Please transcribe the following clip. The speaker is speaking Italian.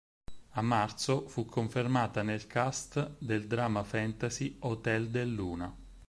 A marzo fu confermata nel cast del drama fantasy "Hotel Del Luna.